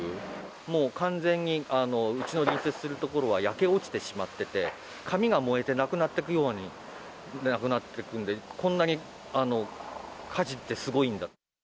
もう完全にうちの隣接する所は焼け落ちてしまってて、紙が燃えてなくなっていくようになくなっていくので、こんなに火事ってすごいんだ。